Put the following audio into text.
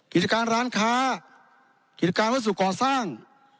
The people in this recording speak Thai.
กิจการร้านค้ากิจการวัสดุก่อสร้าง